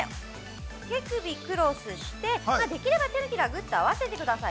手首をクロスして、できれば、手のひらを合わせてください。